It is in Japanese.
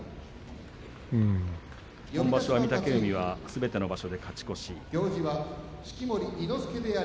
ことしは御嶽海がすべての場所で勝ち越し。